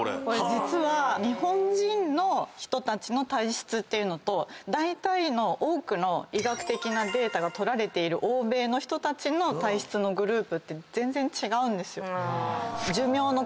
実は日本人の人たちの体質っていうのとだいたいの多くの医学的なデータが取られている欧米の人たちの体質のグループって全然違うんですよ。